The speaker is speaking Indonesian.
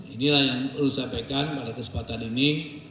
inilah yang perlu disampaikan pada kesempatan ini